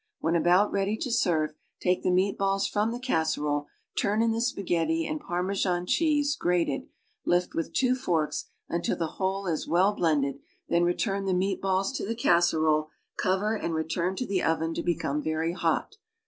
When about I'cady to serve, take the meat balls from the casserole, turn in the spaghetti and Parmesan cheese (grated); lift with two forks until the whole is well blended, then return the meat balls to the casserole, cover and return to the oven to become very hot.